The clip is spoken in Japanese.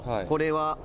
「これは」